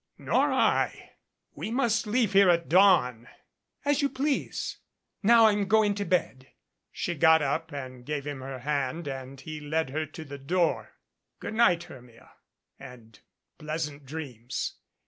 "Nor I. We must leave here at dawn." "As you please. Now I'm going to bed." She got up and gave him her hand and he led her to the door. "Good night, Hermia, and pleasant dreams.